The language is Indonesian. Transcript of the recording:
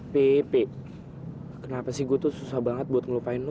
pep kenapa sih gue tuh susah banget buat ngelupain lu